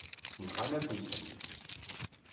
Nɣan-asen-tent.